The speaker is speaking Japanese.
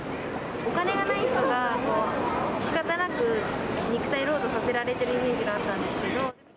お金がない人がしかたなく肉体労働させられてるイメージがあったんですけど。